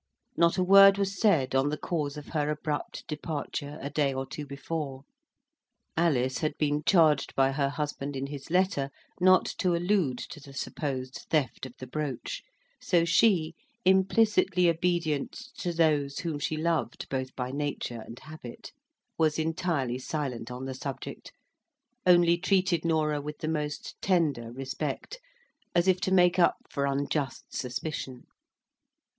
Not a word was said on the cause of her abrupt departure a day or two before. Alice had been charged by her husband in his letter not to allude to the supposed theft of the brooch; so she, implicitly obedient to those whom she loved both by nature and habit, was entirely silent on the subject, only treated Norah with the most tender respect, as if to make up for unjust suspicion.